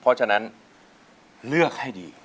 เพราะฉะนั้นเลือกให้ดี